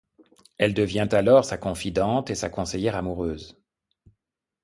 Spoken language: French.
Elle devient alors sa confidente et sa conseillère amoureuse.